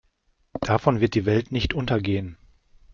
Davon wird die Welt nicht untergehen.